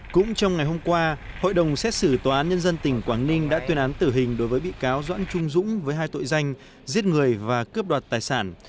cũng trong ngày hôm qua hội đồng xét xử tòa án nhân dân tỉnh quảng ninh đã tuyên án tử hình đối với bị cáo doãn trung dũng với hai tội danh giết người và cướp đoạt tài sản